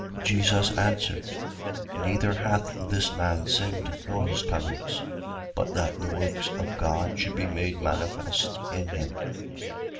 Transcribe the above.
9:3. Jesus answered: Neither hath this man sinned, nor his parents; but that the works of God should be made manifest in him.